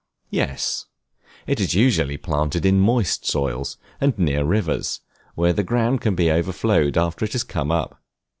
Yes, it is usually planted in moist soils, and near rivers, where the ground can be overflowed after it is come up.